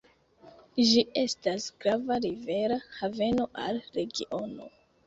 Ĝi estas grava rivera haveno al regiono.